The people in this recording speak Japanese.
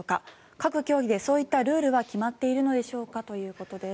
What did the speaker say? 各競技でそういったルールは決まっているのでしょうかということです。